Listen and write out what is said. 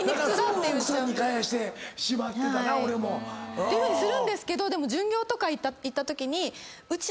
ていうふうにするんですけどでも巡業とか行ったときに。